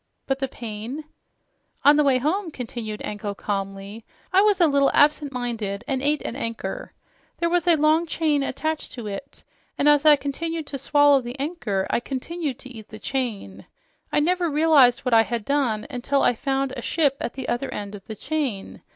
"But the pain " "On the way home," continued Anko calmly, "I was a little absent minded and ate an anchor. There was a long chain attached to it, and as I continued to swallow the anchor I continued to eat the chain. I never realized what I had done until I found a ship on the other end of the chain.